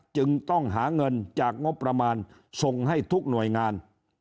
จึงต้องหาเงินจากงบประมาณส่งให้ทุกหน่วยงาน